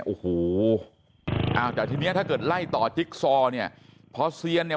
อู้หูแต่ทีนี้ถ้าเกิดไล่ต่อจิ๊กซอร์เนี่ยเพราะเซียนเนี่ย